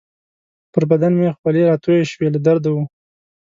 پر بدن مې خولې راتویې شوې، له درده وو.